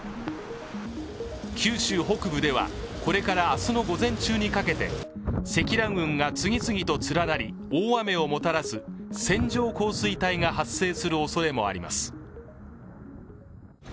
九州北部では、これから明日の午前中にかけて積乱雲が次々と連なり大雨をもたらす線状降水帯が発生するおそれもあります。